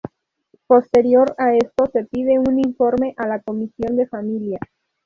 Posterior a esto se pide un informe a la Comisión de familia.